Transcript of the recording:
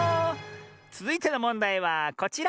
つづいてのもんだいはこちら！